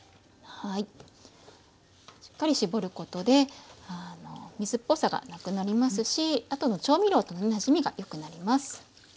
しっかり絞ることで水っぽさがなくなりますしあとの調味料とのなじみがよくなります。